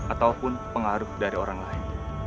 ataupun pengaruh dari orang lain